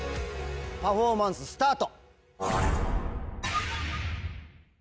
パフォーマンススタート。